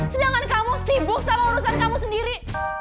sedangkan kamu sibuk sama urusan kamu sendiri